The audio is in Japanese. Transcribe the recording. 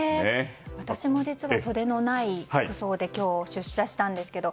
私も実は、袖のない服装で今日出社したんですけど。